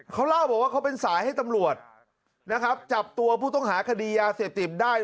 เขาเล่าบอกว่าเขาเป็นสายให้ตำรวจนะครับจับตัวผู้ต้องหาคดียาเสพติดได้